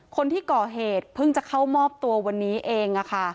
คนที่ก่อเหตุเพิ่งจะเข้ามอบตัววันนี้เอง